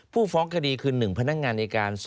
ผู้ฟ้องคดีคือหนึ่งพนักงานในการ